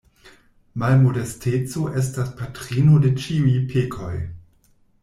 Malmodesteco estas patrino de ĉiuj pekoj.